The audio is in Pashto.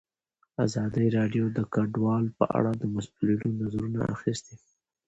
ازادي راډیو د کډوال په اړه د مسؤلینو نظرونه اخیستي.